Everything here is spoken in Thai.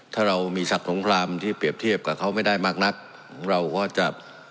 ถ้าเรามีสัตว์สงครามที่เปรียบเทียบกับเขาไม่ได้มากนักเราก็จะ